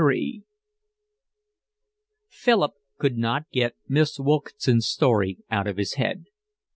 XXXIII Philip could not get Miss Wilkinson's story out of his head.